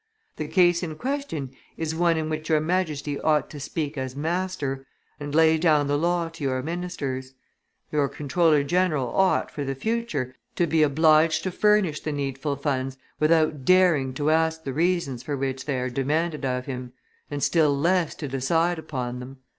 The case in question is one in which your Majesty ought to speak as master, and lay down the law to your ministers. Your comptroller general ought, for the future, to be obliged to furnish the needful funds without daring to ask the reasons for which they are demanded of him, and still less to decide upon them.